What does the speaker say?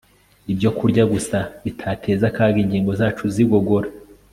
ibyokurya gusa bitateza akaga ingingo zacu zigogora